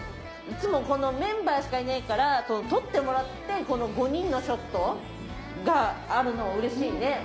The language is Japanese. いつもこのメンバーしかいないから撮ってもらってこの５人のショットがあるの嬉しいね。